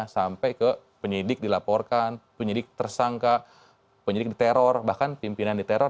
sampai ke penyidik dilaporkan penyidik tersangka penyidik di teror bahkan pimpinan di teror